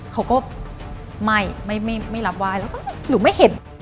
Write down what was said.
เขาก็ไม่ไม่รับไหว้แล้วก็หรือไม่เห็น